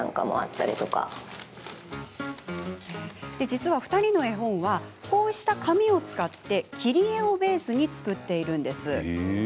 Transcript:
実は、２人の絵本はこうした紙を使って切り絵をベースに作っているんです。